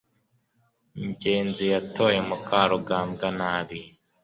ngenzi yatoye mukarugambwa nabi